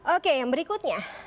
oke yang berikutnya